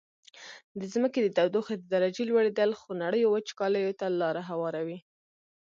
د ځمکي د تودوخي د درجي لوړیدل خونړیو وچکالیو ته لاره هواروي.